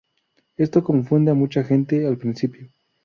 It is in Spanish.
Esto confunde a mucha gente al principio.